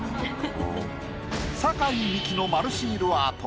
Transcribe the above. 酒井美紀の丸シールアート